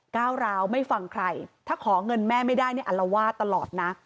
ก้าวร้าวไม่ฟังใครถ้าขอเงินแม่ไม่ได้เนี่ยอัลวาดตลอดนะ